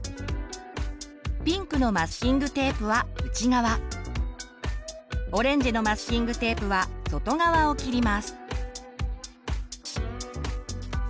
ピンクのマスキングテープは内側オレンジのマスキングテープは外側を切ります。